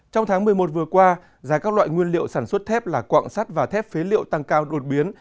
trong tháng một mươi một vừa qua giá các loại nguyên liệu sản xuất thép là quạng sắt và thép phế liệu tăng cao đột biến